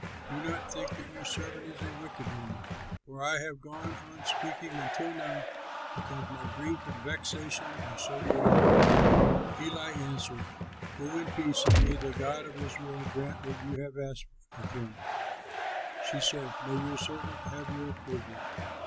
Do not think that your servant is a wicked woman, for I have gone on speaking until now because my grief and vexation are so great." Eli answered, "Go in peace, and may the God of Israel grant what you have asked of him." She said, "May your servant have your approval!"